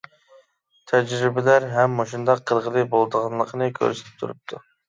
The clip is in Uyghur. تەجرىبىلەر ھەم مۇشۇنداق قىلغىلى بولىدىغانلىقىنى كۆرسىتىپ تۇرۇپتۇ.